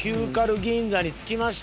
銀座に着きました！